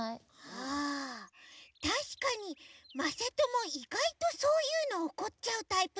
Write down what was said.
ああたしかにまさともいがいとそういうのおこっちゃうタイプなのかも。